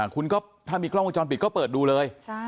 คุณก็ถ้ามีกล้องวงจรปิดก็เปิดดูเลย